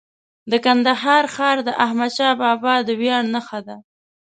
د کندهار ښار د احمدشاه بابا د ویاړ نښه ده.